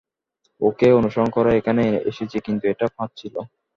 ওকে অনুসরণ করে এখানে এসেছি, কিন্তু এটা ফাঁদ ছিল।